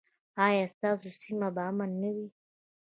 ایا ستاسو سیمه به امن نه وي؟